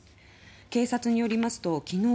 警察によりますときのう